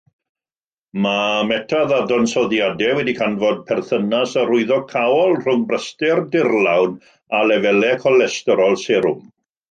Mae metaddadansoddiadau wedi canfod perthynas arwyddocaol rhwng braster dirlawn a lefelau colesterol serwm.